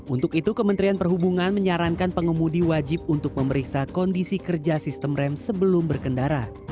untuk itu kementerian perhubungan menyarankan pengemudi wajib untuk memeriksa kondisi kerja sistemnya